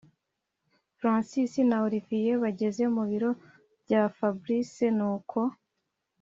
francis na olivier bageze mubiro byafabric nuko